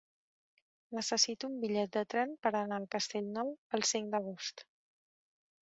Necessito un bitllet de tren per anar a Castellnou el cinc d'agost.